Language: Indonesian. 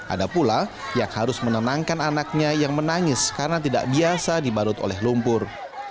ada pula yang harus menenangkan anaknya yang menangis karena tidak biasa dibarut oleh lumpur